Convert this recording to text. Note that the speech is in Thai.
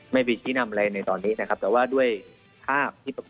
แบบนี้น่าจะใช้เวลานานไหมครับ